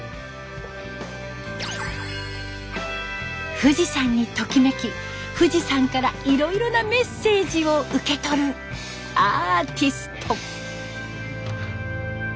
富士山にときめき富士山からいろいろなメッセージを受け取るアーティスト。